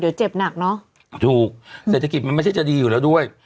เดี๋ยวเจ็บหนักเนอะถูกเศรษฐกิจมันไม่ใช่จะดีอยู่แล้วด้วย